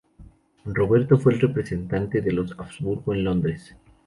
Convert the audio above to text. Roberto fue el representante de los Habsburgo en Londres.